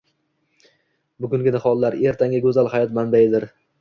bugungi nihollar – ertangi go‘zal hayot manbaidirng